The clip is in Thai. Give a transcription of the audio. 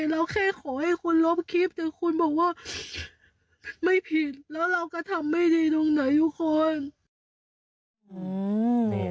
เราแค่ขอให้คุณลบคลิปแต่คุณบอกว่าไม่ผิดแล้วเราก็ทำไม่ดีตรงไหนทุกคน